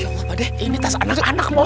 ya allah pak deh ini tas anak anak